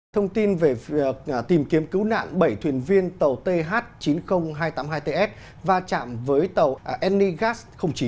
thông tin về tìm kiếm cứu nạn bảy thuyền viên tàu th chín mươi nghìn hai trăm tám mươi hai ts va chạm với tàu enigas chín